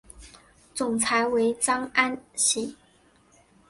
总裁为张安喜。